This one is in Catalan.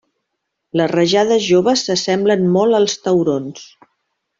Les rajades joves s'assemblen molt als taurons.